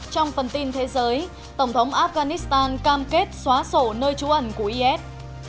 trong phần tin thế giới tổng thống afghanistan cam kết xóa sổ nơi trú ẩn của is